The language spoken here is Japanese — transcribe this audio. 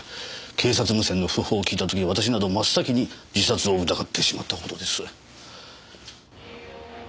警察無線の訃報を聞いた時私など真っ先に自殺を疑ってしまったほどです。